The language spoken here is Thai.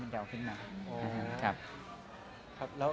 ใช่ค่ะพี่แม่นแก่วขึ้นมา